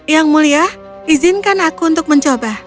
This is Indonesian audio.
yang mulia izinkan aku untuk mencoba